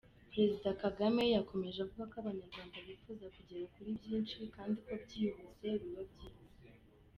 Perezida Kagame yakomeje avuga ko ’Abanyarwanda bifuza kugera kuri byinshi kandi byihuse biba byiza.